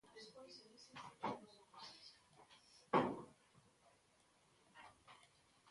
E iso non.